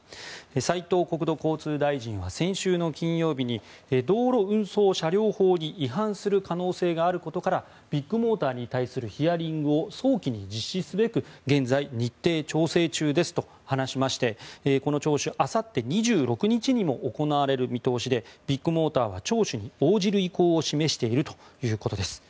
斉藤国土交通大臣は先週の金曜日に道路運送車両法に違反する可能性があることからビッグモーターに対するヒアリングを早期に実施すべく現在、日程調整中ですと話しましてこの聴取、あさって２６日にも行われる見通しでビッグモーターは聴取に応じる意向を示しているということです。